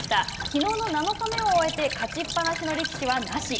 きのうの７日目を終えて勝ちっぱなしの力士はなし。